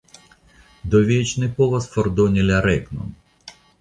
Do vi eĉ ne povas fordoni la regnon.